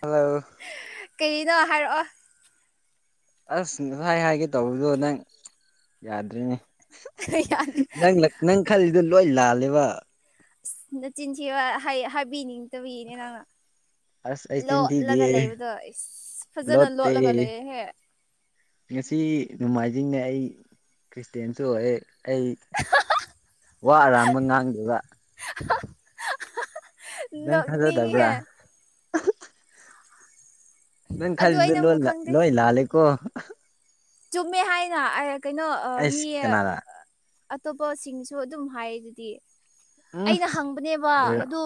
hello ꯀꯩꯅꯣ ꯍꯥꯏꯔꯛꯑꯣ ꯑꯁ ꯉꯁꯥꯏ ꯍꯥꯏꯒꯦ ꯇꯧꯕꯗꯣ ꯅꯪ ꯌꯥꯗ꯭ꯔꯤꯅꯦ ꯌꯥꯗ꯭ꯔꯦ ꯅ ꯅꯪ ꯈꯜꯂꯤꯗꫭ ꯂꯣꯏ ꯂꯥꯜꯂꯦꯕ ꯅꯆꯤꯟꯁꯤ ꯍꯥꯏꯕꯤꯅꯤꯡꯗꯕꯅꯦ ꯅꯪꯅ ꯑꯁ ꯑꯩ ꯆꯤꯟ ꯂꯣꯠꯂꯒ ꯊꯤꯗꯤꯌꯦ ꯂꯩꯕꯗꯣ ꯏꯁ ꯐꯖꯅ ꯂꯣꯠꯇꯦ ꯂꯣꯠꯂꯒ ꯂꯩꯌ‌ꯦꯍꯦ ꯉꯁꯤ ꯅꯣꯡꯃꯥꯏꯖꯤꯡꯅꯦ ꯑꯩ ꯈ꯭ꯔꯤꯁꯇꯌꯥꯦꯟꯁꯨ ꯑꯣꯏꯦ ꯑꯩ ꯋꯥ ꯑꯔꯥꯟꯕ ꯉꯥꯡꯗꯕ ꯅꯪ ꯅꯣꯛꯅꯤꯡꯉꯤꯍꯦ ꯊꯖꯗꯕ꯭ꯔꯥ ꯅꯪ ꯑꯗꯨ ꯑꯩ ꯈꯜꯂꯤꯗ ꯅꯪꯕꯨ ꯂꯣꯏ ꯈꯪꯗꯦ ꯂꯣꯏ ꯂꯥꯟꯂꯦꯀꯣ ꯆꯨꯝꯃꯦ ꯍꯥꯏꯅ ꯀꯩꯅꯣ ꯑꯩꯁ ꯃꯤ ꯀꯅꯥꯔ ꯑꯇꯣꯞꯄꯁꯤꯡꯁꯨ ꯑꯗꯨꯝ ꯍꯥꯏ ꯑꯗꯨꯗꯤ ꯎꯝ ꯑꯩꯅ ꯍꯪꯕꯅꯦꯕ ꯑꯣꯏꯔ ꯑꯗꯨ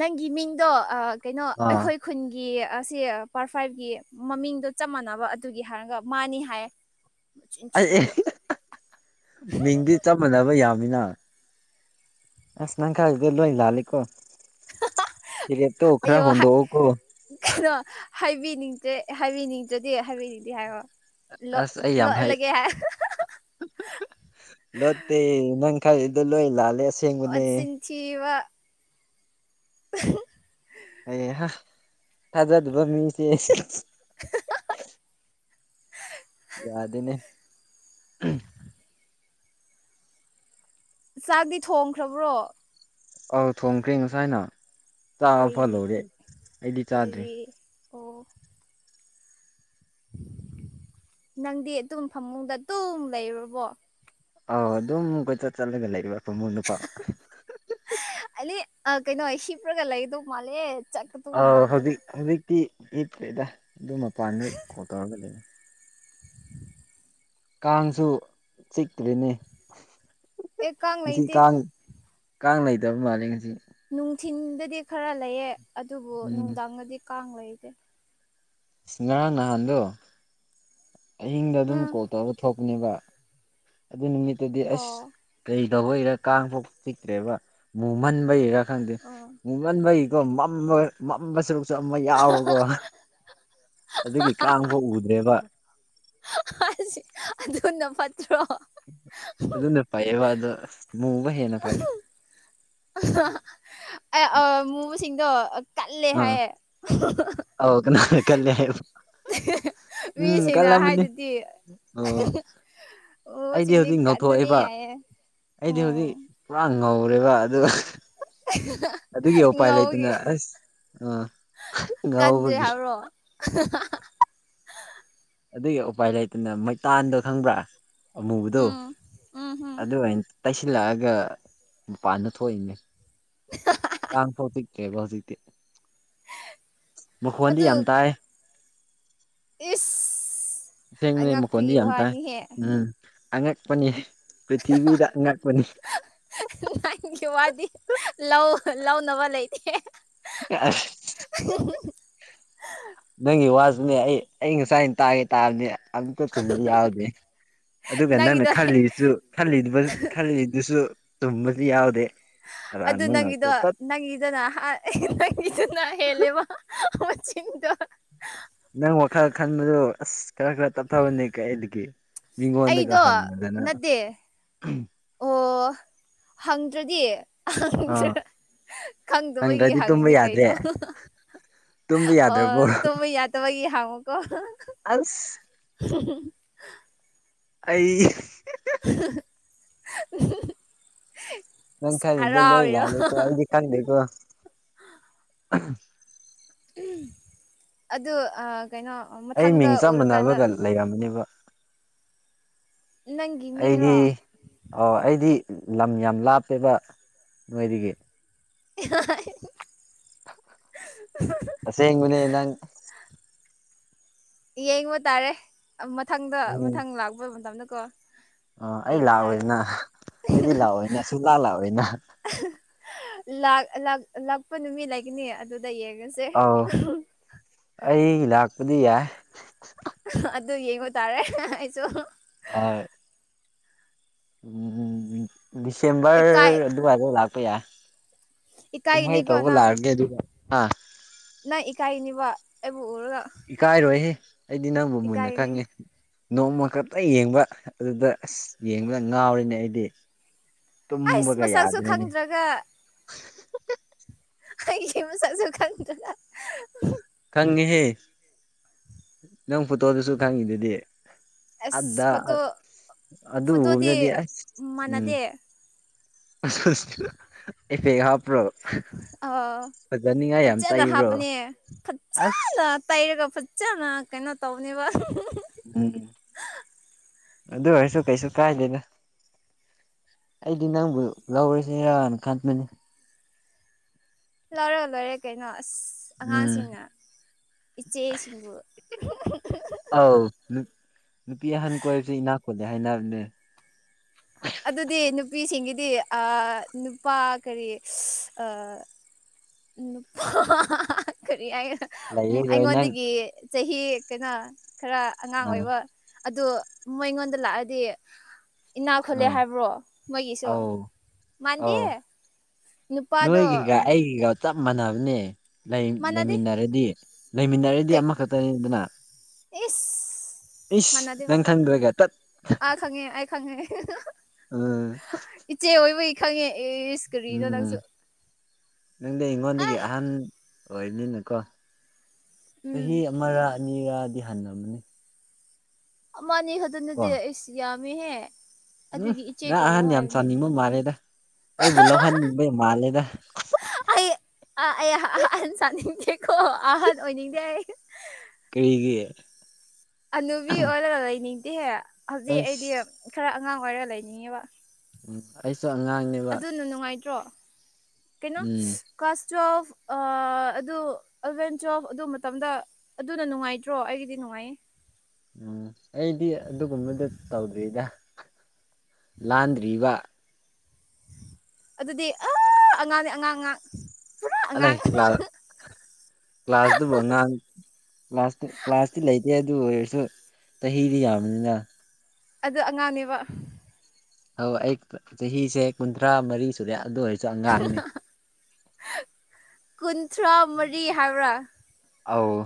ꯅꯪꯒꯤ ꯃꯤꯡꯗꯣ ꯀꯩꯅꯣ ꯑꯥ ꯑꯩꯈꯣꯏ ꯈꯨꯟꯒꯤ ꯀꯤ ꯑꯁꯤ ꯄꯥꯔꯠ ꯐꯥꯏꯚꯀꯤ ꯃꯃꯤꯡꯗꯣ ꯆꯞ ꯃꯥꯟꯅꯕ ꯑꯗꯨꯒꯤ ꯍꯥꯏꯔꯒ ꯃꯥꯅꯤ ꯍꯥꯏ ꯁꯤ ꯑꯩ [unintelligible] ꯃꯤꯡꯗꯤ ꯆꯞ ꯃꯥꯟꯅꯕ ꯌꯥꯝꯃꯤꯅ ꯑꯁ ꯅꯪ ꯈꯜꯂꯤꯗꫭ ꯂꫭꯏ ꯂꯥꯟꯂꯤꯀꫭ ꯐꯤꯔ‌ꯦꯞ ꯇꯣ ꯑꯌꯣ ꯈꯔ ꯍꯣꯡꯗꫭꯛꯎꯀꯣ ꯃꯤꯡꯁ‌ꯦ ꯍꯥꯏꯕꯤꯅꯤꯡꯗ꯭ꯔꯗꯤ ꯍꯥꯏꯕꯤꯅꯤꯡꯗꯦ ꯍꯥꯏꯔꯣ ꯂꯣꯠ ꯑꯁ ꯑꯩ ꯌꯥꯝ ꯂꯣꯠꯂꯒꯦ ꯂꫭꯠꯇ‌ꯦ ꯅꯪ ꯈꯟꯂꯤꯗꫭ ꯂꯣꯏ ꯂꯥꯜꯂꯦ ꯑꯁꯦꯡꯕꯅꯦ ꯅꯆꯤꯟ ꯊꯤꯕ ꯎ [unintelligible] ꯍꯩꯍꯥ ꯊꯥꯖꯗꯕ ꯃꯤꯁꯦ [inaudible] ꯌꯥꯗꯅꯦ ꯎꯝ ꯆꯥꯛꯗꯤ ꯊꯣꯡꯈ꯭ꯔꯕ꯭ꯔꯣ ꯑꯧ ꯊꯣꯡꯈ꯭ꯔꯦ ꯉꯁꯥꯏꯅ ꯆꯥꯕ ꯀꯔꯤ ꯐꯜꯍꯧꯔꯦ ꯑꯩꯗꯤ ꯆꯥꯗ꯭ꯔꯤ ꯀꯔꯤ ꯑꯣ ꯅꯪꯗꯤ ꯑꯗꯨꯨꯝ ꯐꯃꯨꯡꯗ ꯑꯗꯨꯨꯝ ꯂꯩꯔꯕꯣ ꯑꯥꯎ ꯑꯗꯨꯝ ꯀꯣꯏꯆꯠ ꯆꯠꯂꯒ ꯂꯩꯕ ꯐꯥꯃꯨꯡꯗ ꯀꫭ ꯑꯥ ꯀꯩꯅꯣ ꯍꯤꯞꯄ꯭ꯔꯒ ꯂꯩꯗꯧ ꯃꯥꯜꯂꯦ ꯆꯠꯀꯗꯧ ꯑꯥ ꯃꯥꯟꯗꯕ ꯍꯧꯖꯤꯛ ꯍꯧꯖꯤꯛꯇꯤ ꯍꯤꯞꯇꯔꯗ ꯑꯗꯨꯝ ꯃꯄꯥꯟꯗ ꯀꯣꯜ ꯇꯧꯔꯒ ꯂꯩ ꯀꯥꯡꯁꯨ ꯆꯤꯛꯇ꯭ꯔꯤꯅꯤ ꯑꯦ ꯀꯥꯪ ꯉꯩꯇꯦ ꯀꯥꯡ ꯂꯩꯇꯕ ꯃꯥꯜꯂꯦ ꯉꯁꯤ ꯅꯨꯡꯊꯤꯤꯟꯗꯗꯤ ꯈꯔ ꯂꯩꯌꯦꯦ ꯑꯗꯨꯕꯨ ꯎꯝ ꯅꯨꯡꯗꯥꯡꯗꯗꯤ ꯀꯥꯡ ꯂꯩꯇꯦ ꯁꯤ ꯉꯔꯥꯡ ꯅꯍꯥꯟꯗ ꯑꯍꯤꯡꯗ ꯑꯗꯨꯝ ꯎꯝ ꯀꯣꯜ ꯇꯧꯔꯒ ꯊꯣꯛꯄꯅꯦꯕ ꯑꯗꯨ ꯅꯨꯃꯤꯠꯇꯗꯤ ꯑꯁ ꯑꯣ ꯀꯔꯤ ꯇꯕꯩꯔꯥ ꯀꯥꯡ ꯐꯥꯎ ꯆꯤꯛꯇ꯭ꯔꯦꯕ ꯃꯨꯃꯟꯕꯩꯔꯥ ꯈꯪꯗꯦ ꯑꯣ ꯃꯨꯃꯟꯕꯩꯀꯣ ꯃꯝꯕ ꯁꯔꯨꯛꯁꯨ ꯑꯃꯝꯕ ꯌꯥꯎꯕꯀꯣ ꯑꯗꯨꯗꯒꯤ ꯀꯥꯡ ꯐꯥꯎ ꯎꯗ꯭ꯔꯦꯕ ꯑꯗꯨꯗ ꯑꯗꯨꯅ ꯐꯩꯦꯕꯗ ꯃꯨꯕ ꯍꯦꯟꯅ ꯐꯩꯦ ꯑ ꯃ ꯁꯤꯁꯤꯡꯗꯣ ꯀꯜꯂ ꯑꯥ ꯍꯥꯏꯌꯦ ꯑꯧ ꯀꯅꯥꯅ ꯀꯜꯂꯦ ꯍꯥꯏꯕ ꯎꯝ ꯃꯤꯁꯤꯡꯅ ꯀꯜꯂꯝꯃꯅꯤ ꯍꯥꯏꯗꯨꯗꯤ ꯑꯣ ꯑꯣ ꯑꯩꯗꯤ ꯁꯤꯁꯤꯡꯅꯤ ꯍꯧꯖꯤꯛ ꯀꯅꯤ ꯉꯧꯊꯣꯛꯑꯦꯕ ꯍꯥꯏꯌꯦ ꯎꯝ ꯉꯧꯔꯤꯕ ꯑꯗꯨꯒ ꯑꯗꯨꯒꯤ ꯎꯄꯥꯏ ꯉꯧꯒꯤ ꯂꯩꯗꯅ ꯑꯁ ꯑꯥ ꯀꯟꯗ꯭ꯔꯦ ꯉꯥꯎꯕꯒꯤ ꯍꯥꯏꯕ꯭ꯔꯣ ꯑꯗꯨꯒꯤ ꯎꯄꯥꯏ ꯂꯩꯇꯅ ꯃꯩꯇꯥꯟꯗꯣ ꯈꯪꯕ꯭ꯔꯥ ꯑꯃꯨꯕꯗꯣ ꯎꯝ ꯎꯝ ꯍꯝ ꯑꯗꯨꯅ ꯇꯩꯁꯤꯜꯂꯛꯑꯒ ꯃꯄꯥꯟꯗ ꯊꯣꯛꯏꯅꯦ ꯀꯥꯡ ꯐꯥꯎ ꯄꯤꯛꯇ꯭ꯔꯦꯕ ꯍꯧꯖꯤꯛꯇꯤ ꯃꯈꯣꯟꯗꯤ ꯌꯥꯝ ꯑꯗꯨ ꯇꯥꯏ ꯏꯁ ꯁꯦꯡꯕꯅꯦ ꯃꯈꯣꯟꯗꯤ ꯑꯉꯛꯄꯒꯤ ꯌꯥꯝ ꯇꯥꯏ ꯋꯥꯅꯤꯍꯦ ꯎꯝ ꯑꯉꯛꯄꯅꯤ ꯄ꯭ꯔꯤꯊꯤꯕꯤꯗ ꯑꯉꯛꯄꯅꯤ ꯅꯪꯒꯤ ꯋꯥꯗꯤ ꯂꯧ ꯂꯧꯅꯕ ꯂꯩꯇꯦ ꯑꯁ ꯅꯪꯒꯤ ꯋꯥꯁꯤꯅꯦ ꯑꯩ ꯑꯩ ꯉꯁꯥꯏ ꯑꯩꯅ ꯇꯥꯒꯦ ꯇꯥꯕꯗꯤ ꯑꯛꯇ ꯆꯨꯝꯕ ꯌꯥꯎꯔꯗꯤꯦ ꯑꯗꯨꯒ ꯅꯪꯅ ꯅꯪꯒꯤꯗꯣ ꯈꯜꯂꯤꯁꯨ ꯈꯜꯂꯤ ꯈꯜꯂꯤꯗꯨꯁꯨ ꯇꯨꯝꯕꯁꯨ ꯌꯥꯎꯗꯦ ꯑꯗꯨ ꯑꯔꯥꯟꯕ ꯉꯥꯛꯇ ꯅꯪꯒꯤꯗꯣ ꯇꯠ ꯅꯪꯒꯤꯗꯅ ꯅꯪꯒꯤꯗꯨꯅ ꯍꯦꯜꯂꯦꯕ ꯍ ꯆꯤꯟꯗ ꯅꯪ ꯋꯥꯈꯜ ꯈꯟꯕꯗꯨ ꯑꯁ ꯈꯔ ꯈꯔ ꯇꯞꯊꯕꯅꯦ ꯀꯗꯒꯤ ꯃꯤꯣꯟꯗꯒ ꯑꯩꯗꯣ ꯍꯪ ꯃꯗꯅ ꯅꯠꯇꯦ ꯑꯣ ꯍꯪꯗ꯭ꯔꯗꯤꯪꯗ꯭ꯔꯦ ꯑꯥ ꯈꯪꯗꯕꯒꯤ ꯍꯪꯗ꯭ꯔꯗꯤ ꯇꯨꯝꯕ ꯍꯪꯉꯤꯅꯦ ꯀꯩꯅꯣ ꯌꯥꯗ꯭ꯔꯦ ꯇꯨꯝꯕ ꯑ ꯌꯥꯗ꯭ꯔꯕꯣ ꯇ ꯃ ꯌꯥ ꯇꯃꯛꯒꯤꯍꯉꯨ ꯀ ꯑꯁ ꯑꯩ [unintelligible] [inaudible] ꯅꯪ ꯈꯥꯏ ꯏꯗ ꯂꯣ ꯏꯂ ꯍꯔꯥꯎꯔꯤꯔꯣ ꯍꯥꯏꯦꯣꯗꯤ ꯀꯥꯟꯗꯣ ꯑꯗꯨꯗ ꯑ ꯑꯩ ꯃꯤꯡ ꯆꯞ ꯃꯥꯟꯅꯕꯒ ꯂꯩꯔꯝꯃꯅꯦꯕ ꯅꯪꯒꯤ ꯑꯩꯗꯤ ꯃꯤꯡꯔꯣ ꯑꯣ ꯑꯩꯗꯤ ꯂꯝ ꯌꯥꯝ ꯂꯥꯞꯄꯦꯕ ꯅꯣꯏꯗꯒꯤ ꯍ [unintelligible] [inaudible] ꯁꯦꯡꯕꯅꯦ ꯅꯪ ꯌꯦꯡꯕ ꯇꯥꯔꯦ ꯃꯊꯪꯗ ꯎꯝ ꯃꯊꯪ ꯂꯥꯛꯄ ꯃꯇꯝꯗꯀꯣ ꯑ ꯑꯩ ꯌꯦꯡꯕ ꯇꯥꯔꯦ ꯂꯥꯛꯑꯣꯏꯅ ꯑꯩꯗꯤ ꯂꯥꯛꯑꯣꯏꯅ ꯁꯨꯂꯥ ꯂꯥꯛꯑꯣꯅ ꯂꯥꯛꯄ ꯅꯨꯃꯤꯠ ꯂꯩꯒꯅꯤ ꯑꯗꯨ ꯗꯏꯌꯦꯒꯁꯦ ꯑꯧ ꯑꯗꯨ ꯑꯗꯨ ꯑꯗꯨ ꯌꯦꯡꯉ ꯇꯥꯔꯦ ꯑꯩꯁꯨ ꯑ [unintelligible] [inaudible] ꯎꯝ ꯗꯤꯁꯦꯝꯕꯔ ꯏꯀꯥꯏ ꯑꯗꯨꯋꯥꯏꯗ ꯂꯥꯛꯄ ꯌꯥꯏ ꯀꯃꯥꯏ ꯏꯀꯥꯏꯒꯅꯤꯀꯣ ꯇꯕꯨ ꯅꯪ ꯂꯒꯦ ꯑꯗꯨ ꯅꯪ ꯏꯀꯥꯏꯅꯤꯕ ꯏꯀꯥꯏꯔꯣꯏꯍꯦ ꯑꯩꯗꯤ ꯅꯪꯕꯨ ꯃꯨꯟꯅ ꯏꯀꯥꯏꯒꯅꯤ ꯈꯪꯉꯦ ꯅꯣꯡꯃ ꯈꯛꯇ ꯌꯦꯡꯕ ꯑꯗꯨꯗ ꯑꯁ ꯌꯦꯡꯕꯗ ꯉꯥꯎꯔꯤꯅꯦ ꯑꯩꯗꯤ ꯑꯩꯁ ꯇꯨꯃꯒ ꯃꯁꯛꯁꯨ ꯌꯥꯗ꯭ꯔꯦꯅꯦ ꯈꯪꯗ꯭ꯔꯒ ꯑꯩ ꯃ ꯆꯁꯨ ꯈꯥꯟꯗꯗ ꯈꯪꯉꯦꯍꯦ ꯅꯪ ꯐꯣꯇꯣꯗꯨꯁꯨ ꯈꯪꯉꯤꯗꯨꯗꯤ ꯑꯁ ꯑꯗ ꯐꯣꯇꯣ ꯐꯣꯇꯣꯗꯤ ꯑꯗꯨꯕꯗꯗꯤ ꯑꯁ ꯎꯝ ꯃꯥꯟꯅꯗꯦ ꯐꯦ ꯍꯥꯞ ꯭ꯔꯣ ꯑꯥ ꯐꯖꯅꯤꯡꯉꯥꯏ ꯌꯥꯝ ꯇꯩꯕ꯭ꯔꯣ ꯑꯁ ꯐꯅ ꯇꯩꯔꯒ ꯐꯖꯅ ꯀꯩꯅꯣ ꯇꯧꯅꯦꯕ ꯎꯝ ꯑꯗꯨ ꯑꯣꯏꯔꯁꯨ ꯀꯩꯁꯨ ꯀꯥꯏꯗꯅ ꯑꯩꯗꯤ ꯅꯪꯕꯨ ꯂꯧꯔꯤꯁꯤꯦ ꯏꯔꯅ ꯈꯥꯟꯕꯅꯤ ꯂꯔ ꯂꯔꯦ ꯀꯩꯩꯅ ꯑꯁ ꯎꯝ ꯑꯉꯥꯡꯁꯤꯡꯅ ꯏꯆꯦꯁꯤꯡꯕꯨ ꯑꯧ ꯅꯨꯄꯤ ꯑꯍꯟ ꯀꯣꯏꯕꯁꯦ ꯏꯅꯥꯛ ꯈꯨꯜꯂꯦ ꯍꯥꯏꯅꯔꯅꯦ ꯑꯗꯨꯗꯤ ꯅꯨꯄꯤꯁꯤꯡꯒꯤꯗꯤ ꯅꯨꯄꯥ ꯀꯔꯤ ꯅꯨꯄꯥ ꯀꯔꯤ ꯂꯩꯔꯔꯣꯏ ꯅꯪ ꯑꯩꯉꯣꯟꯗꯒꯤ ꯆꯍꯤ ꯀꯩꯅꯣ ꯈꯔ ꯑꯉꯥꯡ ꯑꯥ ꯑꯣꯏꯕ ꯑꯗꯨ ꯃꯣꯏꯉꯣꯟꯗ ꯂꯥꯛꯑꯗꯤ ꯏꯅꯥꯛ ꯈꯨꯜꯂꯦ ꯑꯥ ꯍꯥꯏꯕ꯭ꯔꯣ ꯃꯣꯏꯒꯤꯁꯨ ꯃꯥꯟꯗꯦ ꯅ ꯅꯨꯄꯥꯗꯣ ꯑꯩꯒꯒ ꯑꯩꯒꯤꯒ ꯆꯞ ꯃꯥꯟꯅꯕꯅꯦ ꯃꯥꯟꯅꯗꯦ ꯂꯩꯃꯤꯟꯅꯔꯗꯤ ꯂꯩꯃꯤꯟꯅꯔꯗꯤ ꯀꯩ ꯑꯃꯈꯛꯇꯅꯤꯗꯅ ꯏꯁ ꯏꯁ ꯃꯥꯟꯅꯗꯤꯦꯕ ꯅꯪ ꯈꯪꯗ꯭ꯔꯒ ꯇꯠ ꯑ ꯈꯪꯉꯦ ꯑꯩ ꯈꯉꯦ ꯑ ꯏꯆꯦ ꯑꯣꯏꯕꯒꯤ ꯈꯪꯉꯦ ꯏꯁ ꯀꯔꯤꯅꯣ ꯎꯝ ꯅꯪꯁꯨ ꯅꯪꯗꯤ ꯏꯉꯣꯟꯗꯗꯒꯤ ꯑꯦ ꯑꯍꯟ ꯑꯣꯏꯣꯏꯅꯤꯅꯀꯣ ꯎꯝ ꯆꯍꯤ ꯑꯃꯔ ꯑꯅꯤꯔꯗꯤ ꯍꯟꯅꯕꯅꯦ ꯃꯥꯥꯟꯅꯤ ꯈꯗꯅꯗꯤ ꯑꯩꯁ ꯌꯥꯝꯃꯦꯍꯦ ꯑꯗꯨꯒꯤ ꯏꯆꯦ ꯎꯝ ꯀꯧꯋꯣ ꯑꯍꯟ ꯌꯥꯝ ꯍꯥꯏꯕꯅꯦ ꯆꯥꯅꯤꯡꯕ ꯃꯥꯜꯂꯦꯗ ꯑꯩ ꯕꯨꯂ ꯈꯥꯟ ꯃꯥ ꯂꯩꯗ ꯑꯩ ꯑꯩ ꯑꯍꯟ ꯆꯥꯅꯤꯡꯒꯦꯀꯣ ꯑꯍꯟ ꯑꯣꯏꯅꯤꯡꯗꯦ ꯑꯩ ꯀꯔꯤꯔꯤꯒꯤ ꯑꯅꯨꯕꯤ ꯑꯣꯏꯔꯒ ꯂꯩꯅꯤꯡꯗꯦꯍꯦ ꯍꯧꯖꯤꯛ ꯑꯩꯗꯤ ꯑꯁ ꯈꯔ ꯑꯉꯥꯡ ꯑꯣꯏꯔꯒ ꯂꯩꯅꯤꯡꯉꯦꯕ ꯎꯝ ꯑꯩꯁꯨ ꯑꯉꯥꯡꯅꯦꯕ ꯅꯠꯇ꯭ꯔꯣ ꯀꯩꯅꯣ ꯎꯝ ꯀꯥꯁꯇ ꯑꯣꯐ ꯑꯗꯨ ꯑꯦꯂꯚꯦꯟ ꯇꯨꯋꯦꯜꯐ ꯑꯗꯨ ꯃꯇꯝꯗ ꯑꯗꯨꯅ ꯅꯨꯡꯉꯥꯏꯇ꯭ꯔꯣ ꯑꯩꯒꯤꯗꯤ ꯅꯨꯡꯉꯥꯏꯌꯦ ꯎꯝ ꯑꯩꯗꯤ ꯑꯗꯨꯒꯨꯝꯕꯗ ꯇꯧꯗ꯭ꯔꯤꯗ ꯂꯥꯟꯗ꯭ꯔꯤꯕ ꯑꯗꯨꯗꯤ ꯑ ꯑꯉꯥꯡꯅꯦ ꯑꯉꯥꯡ ꯑꯉꯥꯡ ꯄꯨꯔꯥ ꯑꯂ ꯑꯉꯥꯡ ꯂ ꯀ꯭ꯂꯥꯁꯇ ꯉꯥꯟ ꯀ꯭ꯂꯥꯁꯇ ꯀ꯭ꯂꯥꯁꯇꯤ ꯂꯩꯇꯦ ꯑꯗꯨ ꯑꯗꯨ ꯑꯣꯏꯔꯁꯨ ꯆꯍꯤꯗꯤ ꯌꯥꯝꯕꯅꯤꯅ ꯑꯗꯨ ꯑꯉꯥꯡꯅꯦꯕ ꯍ ꯑꯩ ꯆꯍꯤꯁꯦ ꯀꯨꯟꯊ꯭ꯔꯥ ꯃꯔꯤ ꯁꯨꯔꯦ ꯑꯗꯨ ꯑꯣꯏꯔꯁꯨ ꯑꯉꯥꯡꯅꯦ ꯀꯨꯟꯊ꯭ꯔꯥ ꯃꯔꯤ ꯍꯥꯏꯕ꯭ꯔꯥ ꯑꯧ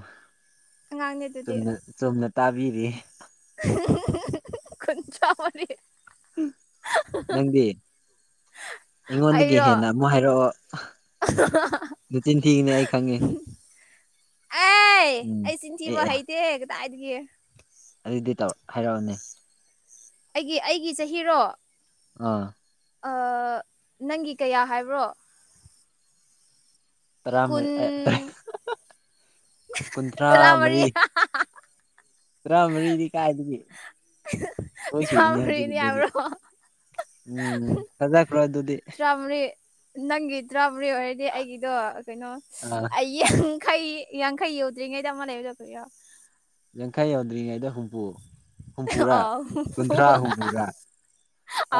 ꯑꯉꯥꯡꯅꯦ ꯆ ꯑꯗꯨꯗꯤ ꯆꯨꯝꯅ ꯇꯥꯕꯤꯔꯤ ꯀ ꯆ ꯑꯃꯅꯤꯅꯤ ꯅꯗꯤ ꯑꯩꯉꯣꯟꯗꯒꯤ ꯑꯩꯔꯣ ꯍꯦꯟꯅ ꯑꯃꯨꯛ ꯍꯥꯏꯔꯛꯑꯣ ꯇꯤꯟ ꯊꯤꯅꯤ ꯑꯩ ꯈꯪꯉꯤ ꯑꯦ ꯑꯩ ꯑꯦ ꯆꯤꯟꯊꯤꯕ ꯑꯦ ꯍꯩꯇꯦ ꯀꯗꯥꯏꯒꯦ ꯑꯗꯨꯗꯤ ꯇꯧ ꯍꯥꯏꯔꯛꯑꯅꯤ ꯑꯩꯒꯤ ꯑꯩꯒꯤ ꯆꯍꯤꯔꯣ ꯑꯥ ꯅꯪꯒꯤ ꯀꯌꯥ ꯍꯥꯏꯕ꯭ꯔꯣ ꯀꯨꯟ ꯇꯔꯥꯔꯤ ꯀꯨꯟꯊ꯭ꯔꯥ ꯇꯔꯥꯃꯔꯤ ꯃꯔꯤ ꯇꯔꯥ ꯃꯔꯤꯗꯤ ꯀꯥꯏꯗꯒꯤ ꯁꯣꯏꯈꯤꯕꯅꯦ ꯇꯔꯥꯃꯔꯤꯅꯤ ꯍꯧꯖꯤꯛꯗꯤ ꯍꯥꯏꯕ꯭ꯔꯣ ꯎꯝ ꯁꯖ ꯀ ꯔꯣꯏ ꯑꯗꯨ ꯇꯔꯥꯃꯔꯤ ꯅꯪꯒꯤ ꯇꯔꯥꯃꯔꯤ ꯑꯣꯏꯔꯗꯤ ꯑꯩꯒꯤꯗꯣ ꯀꯩꯅꯣ ꯑꯥ ꯑꯩꯒꯤ ꯌꯥꯡꯈꯩ ꯌꯥꯡꯈꯩ ꯌꯧꯗ꯭ꯔꯤꯉꯩꯗ ꯑꯃ ꯂꯩꯕꯗꯗꯔꯣ ꯇꯪꯈꯥꯏ ꯌꯧꯗ꯭ꯔꯤꯉꯩꯗ ꯍꯨꯝꯐꯨ ꯍꯨꯝꯐꯨꯔꯥ ꯑꯥ ꯍꯨꯝꯐꯨ ꯀꯨꯟꯊ꯭ꯔꯥ ꯍꯨꯝꯐꯨꯔꯥ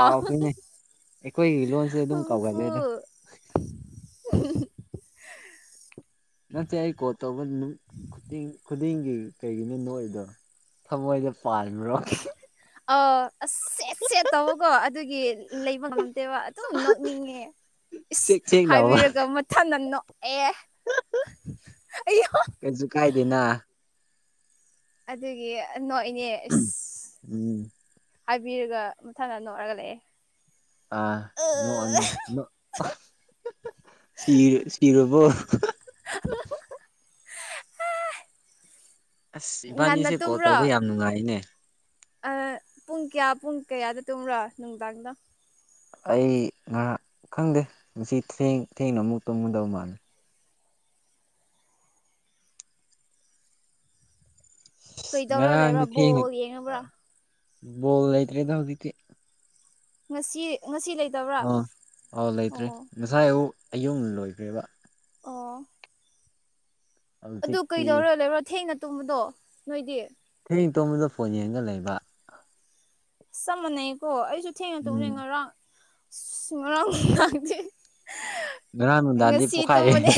ꯑꯥ ꯑꯩꯈꯣꯏꯒꯤ ꯂꯣꯟꯁꯦ ꯑꯗꯨꯝ ꯀꯥꯎꯒꯂꯦꯗ ꯎ ꯅꯁꯦ ꯑꯩ ꯀꯣ ꯇꯧꯕ ꯈꯨꯗꯤꯡꯒꯤ ꯀꯩꯒꯤꯅꯣ ꯅꯣꯏꯗꯣ ꯊꯃꯣꯏꯁꯦ ꯄꯥꯟꯕꯥ꯭ꯔꯣ ꯑꯥ ꯑꯁ ꯁꯦꯠ ꯁꯦꯠ ꯇꯧꯀꯣ ꯑꯗꯨꯒꯤ ꯂꯩꯕ ꯉꯝꯗꯦꯕ ꯑꯗꯨꯝ ꯅꯣꯛꯅꯤꯡꯉꯦ ꯏꯁ ꯁꯦꯛ ꯁꯦꯛ ꯍꯥꯏꯕꯤꯔꯒ ꯃꯊꯥ ꯅꯟꯅꯣ ꯑꯩ ꯀꯩ ꯆꯖꯨꯀꯥꯏꯗꯅꯥ ꯑꯗꯨꯒꯤ ꯅꯣꯏ ꯏꯅꯦ ꯏꯁ ꯎꯝ ꯍꯥꯏꯕꯤꯔꯒ ꯃꯊꯪꯗ ꯅꯣꯛꯔꯒ ꯂꯛꯑꯦ ꯑꯥ ꯅ ꯁꯤꯔ ꯁꯤꯔꯕꯨ ꯑꯁ ꯉꯟꯅ ꯏꯕꯥꯅꯤꯁꯦ ꯀꯣꯜ ꯇꯨꯝꯕ꯭ꯔꯣ ꯇꯧꯕ ꯌꯥꯝ ꯅꯨꯡꯉꯥꯏꯅꯦ ꯄꯨꯡ ꯀꯌꯥ ꯄꯨꯡ ꯀꯌꯥꯗ ꯇꯨꯝꯕ꯭ꯔꯣ ꯅꯨꯡꯗꯥꯡꯗ ꯑꯩ ꯉꯥꯏꯍꯥꯛ ꯈꯪꯗꯦ ꯉꯁꯤ ꯊꯦꯡ ꯊꯦꯡꯅ ꯑꯃꯨꯛ ꯇꯨꯝꯒꯨꯗꯕ ꯃꯥꯜꯂꯤ ꯀꯩꯗꯧꯔ ꯉꯔꯥꯡꯗꯤ ꯂꯩꯕ꯭ꯔꯥ ꯊꯦꯡꯅ ꯕꯣꯜ ꯌꯦꯡꯉꯕ꯭ꯔꯥ ꯕꯣꯜ ꯂꯩꯇ꯭ꯔꯦ ꯊꯧꯗꯤꯗꯤ ꯃꯁꯤꯁꯤ ꯑꯥ ꯑꯥꯎ ꯂꯩꯇ꯭ꯔꯦ ꯑꯣ ꯉꯁꯥꯏ ꯑꯨꯛ ꯑꯌꯨꯛ ꯂꯣꯏꯈ꯭ꯔꯦꯕ ꯑꯣ ꯑꯗꯨ ꯍꯧꯖꯤꯛꯇꯤ ꯀꯩꯗꯧꯔꯣ ꯂꯩꯔꯣ ꯊꯦꯡꯅ ꯇꯨꯝꯕꯗꯣ ꯅꯣꯏꯗꯤ ꯆꯅꯤꯡ ꯇꯣꯝꯕꯗ ꯐꯣꯟ ꯌꯦꯡꯒ ꯂꯩꯕ ꯆꯞ ꯃꯥꯟꯅꯩꯀꯣ ꯑꯩꯁꯨ ꯊꯦꯡꯅ ꯎꯝ ꯇꯧꯅꯦꯩ ꯉꯔꯥꯡ ꯑ ꯉꯔꯥꯡ ꯉꯗꯦ ꯉꯔꯥꯡ ꯅꯨꯡꯗꯥꯡꯗꯤ ꯉꯁꯤ ꯇꯣ ꯄꯣꯛꯈꯥꯏꯔꯦ ꯃꯅꯦ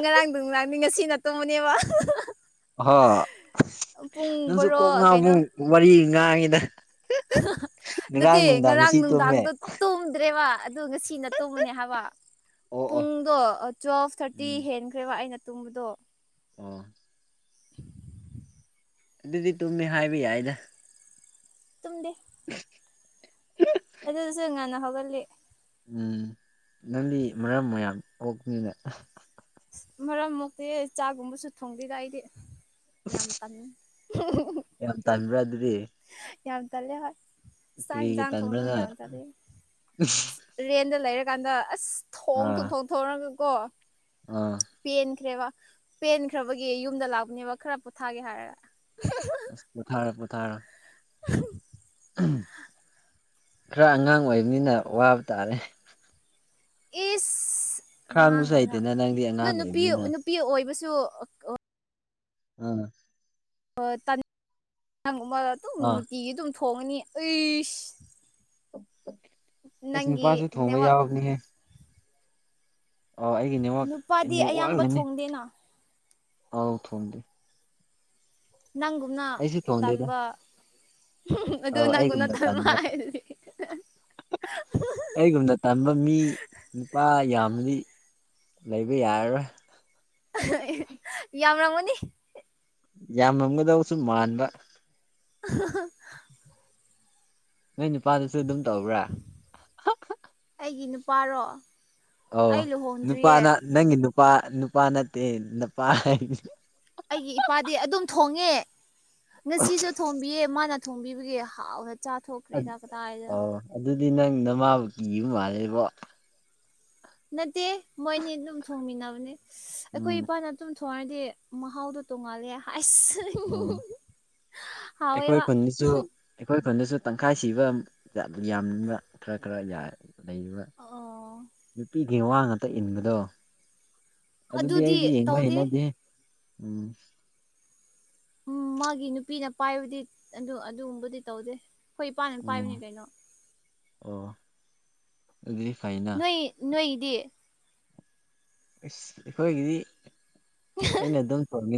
ꯉꯔꯥꯡꯗ ꯉꯔꯥꯡꯗꯤ ꯉꯁꯤ ꯅꯠꯇꯣꯕꯅꯦꯕ ꯍ ꯅꯪꯁꯨ ꯀꯣꯛꯅ ꯕꯣꯔꯣ ꯀꯩꯅꯣ ꯑꯃꯨꯛ ꯋꯥꯔꯤ ꯉꯥꯡꯉꯤꯗ [inaudible] ꯅꯠꯇꯦ ꯅꯨꯡꯗꯥꯡ ꯉꯔꯥꯡ ꯉꯁꯤ ꯇꯨꯝꯃꯦ ꯅꯨꯡꯗꯥꯡꯗꯣ ꯇꯣꯗ꯭ꯔꯦꯕ ꯑꯗ ꯉꯁꯤꯅ ꯇꯣꯕꯅꯦ ꯍꯥꯏꯕ ꯑꯣ ꯑꯣ ꯄꯨꯡꯗꯣ ꯇ꯭ꯋꯦꯜꯐ ꯊꯥꯔꯇꯤ ꯍꯦꯟꯈ꯭ꯔꯦꯕ ꯑꯩꯅ ꯇꯨꯝꯕꯗꯣ ꯑ ꯑꯗꯨꯗꯤ ꯇꯨꯝꯃꯦ ꯍꯥꯏꯕ ꯌꯥꯏꯗ ꯇꯨꯡꯗꯦ ꯍ ꯑꯗꯨꯁꯨ ꯉꯥꯟ ꯍꯒꯜꯂꯤ ꯎꯝ ꯅꯪꯗꯤ ꯃꯔꯝ ꯃꯌꯥꯝ ꯀꯣꯛꯄꯅꯤꯅ ꯃꯔꯛ ꯃꯛꯇꯤ ꯆꯥꯒꯨꯝꯕꯁꯨ ꯊꯣꯡꯗꯗ ꯑꯩꯗꯤ ꯌꯥꯝ ꯇꯅꯤ ꯌꯥꯝ ꯇꯟꯕ꯭ꯔꯥ ꯑꯗꯨꯗꯤ ꯌꯥꯝ ꯇꯠꯂ ꯍꯣꯏ ꯆꯥꯛ ꯀꯔꯤꯒꯤ ꯌꯦꯟꯁꯥꯡ ꯊꯣꯡꯅ ꯇꯟꯕ꯭ꯔꯥꯅ ꯌꯥꯝ ꯇꯂ ꯔꯦꯟꯗ ꯂꯩꯔ ꯀꯥꯟꯗ ꯑꯁ ꯊꯣꯡ ꯊ ꯑꯥ ꯊꯣꯛ ꯊꯣꯡꯔꯒꯀꯣ ꯑꯥ ꯄꯦꯟꯈ꯭ꯔꯦꯕ ꯄꯦꯟꯈ꯭ꯔꯕꯒꯤ ꯌꯨꯝꯗ ꯂꯥꯛꯄꯅꯦꯕ ꯈꯔ ꯄꯣꯊꯥꯒꯦ ꯍꯥꯏꯔꯒ ꯄꯊꯥꯔ ꯄꯊꯥꯔ [unintelligible] [inaudible] ꯈꯔ ꯑꯉꯥꯡ ꯑꯣꯏꯕ ꯃꯤꯅ ꯋꯥꯕ ꯇꯥꯔꯦ ꯑꯦꯁ ꯉꯥꯡ ꯈꯥꯡꯕꯁꯨ ꯀꯥꯏꯅ ꯍꯩꯇꯦꯅ ꯅꯪꯗꯤ ꯑꯗꯨ ꯑꯉꯥꯡ ꯅꯨꯄꯤ ꯑꯣꯏꯕꯅꯤꯅ ꯅꯨꯄꯤ ꯑꯣꯏꯕꯁꯨ ꯁꯣ ꯑꯝ ꯑꯃ ꯑꯗꯨꯝ ꯑꯥ ꯅꯨꯡꯇꯤꯒꯤ ꯑꯗꯨꯝ ꯊꯣꯡꯉꯅꯤ ꯑꯩꯁ ꯑꯩꯁ ꯅꯪꯒꯤ ꯅꯨꯄꯥꯁꯨ ꯊꯣꯡꯕ ꯅꯦꯠꯋꯥꯛ ꯌꯥꯎꯕꯅꯤꯍ ꯑꯥꯎ ꯑꯩꯒꯤ ꯅꯦꯠꯋꯥꯛ ꯅꯨꯄꯥꯗꯤ ꯑꯌꯥꯝꯕ ꯅꯋꯥꯛꯅꯤ ꯊꯣꯡꯗꯦꯅ ꯑꯥꯎ ꯊꯣꯟꯗꯦ ꯅꯪꯒꯨꯝꯅ ꯇꯝꯕ ꯑ ꯑꯩꯒꯨꯝꯗ ꯊ ꯍꯥꯏꯔꯗꯤ ꯑꯩꯒꯨꯝꯗ ꯇꯝꯕ ꯃꯤ ꯅꯨꯄꯥ ꯌꯥꯝꯃꯗꯤ ꯂꯩꯕ ꯌꯥꯔꯣꯏ ꯌ ꯑꯃꯔ ꯃꯅꯤ ꯌꯥꯝꯃꯝꯒꯗꯕꯁꯨ ꯃꯥꯟꯕ [unintelligible] [inaudible] ꯅꯣꯏ ꯅꯨꯄꯥꯗꯨꯁꯨ ꯑꯗꯨꯝ ꯇꯧꯕ꯭ꯔꯥ ꯔꯣ ꯑ ꯅꯨꯄꯥꯅ ꯅꯪꯒꯤ ꯅꯨꯄꯥ ꯅꯨꯄꯥ ꯅꯠꯇꯦ ꯅꯨꯄꯥ ꯍꯥꯏ ꯑꯩꯒꯤ ꯏꯄꯥꯗꯤ ꯑꯗꯨꯝ ꯊꯣꯡꯉꯦ ꯉꯁꯤꯁꯨ ꯊꯣꯡꯕꯤꯌꯦ ꯃꯥꯅ ꯊꯣꯡꯕꯤꯕꯒꯤꯦ ꯍꯥꯎꯗ ꯆꯥꯊꯣꯛꯈ꯭ꯔꯦ ꯇꯥꯛ ꯀꯗꯥ ꯍꯥꯏꯗ ꯑꯣ ꯑꯗꯨꯗꯤ ꯅꯪ ꯅꯃꯥꯕꯨ ꯀꯤꯒꯨꯝ ꯃꯥꯜꯂꯦꯕꯣ ꯅꯠꯇꯦ ꯃꯣꯏꯅꯤ ꯑꯗꯨꯝ ꯊꯣꯡꯃꯤꯟꯅꯕꯅꯦ ꯑꯩꯈꯣꯏ ꯎꯝ ꯏꯄꯥꯅ ꯑꯗꯨꯝ ꯊꯅꯗꯤ ꯃꯍꯥꯎꯗꯣ ꯇꯣꯡꯉꯥꯜꯂꯦ ꯑꯁ ꯑꯣ ꯑꯩꯈꯣꯏ ꯍꯥꯎꯋꯦꯕ ꯈꯨꯟꯗꯁꯨ ꯑꯩꯈꯣꯏ ꯈꯨꯟꯗꯁꯨ ꯇꯪꯈꯥꯏ ꯁꯤꯕ ꯌꯥꯝꯅꯤꯡꯕ ꯈꯔ ꯈꯔ ꯌꯥꯔ ꯂꯩꯔꯤꯕ ꯑꯣ ꯅꯨꯄꯤꯒꯤ ꯋꯥ ꯉꯥꯛꯇ ꯏꯟꯕꯗꯣ ꯑꯗꯨꯗꯤ ꯑꯩꯗꯤ ꯌꯦꯡꯕ ꯍꯩꯅꯗꯦ ꯎꯝ ꯎꯝ ꯃꯥꯒꯤ ꯅꯨꯄꯤꯅ ꯄꯥꯏꯕꯗꯤ ꯑꯗꯨꯒꯨꯝꯕꯗꯤ ꯇꯧꯗꯦ ꯍꯣꯏ ꯏꯄꯥꯥꯟꯅꯤ ꯎꯝ ꯄꯥꯏꯕꯅꯤ ꯀꯩꯅꯣ ꯑꯣ ꯑꯗꯨꯗꯤ ꯐꯩꯅ ꯅꯣꯏ ꯅꯣꯏꯗꯤ ꯑꯁ ꯑꯩꯈꯣꯏꯒꯤꯗꯤ ꯑꯩꯅ ꯑꯗꯨꯝ ꯇꯣꯡꯉ